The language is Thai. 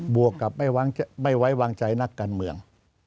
วกกับไม่ไว้วางใจนักการเมือง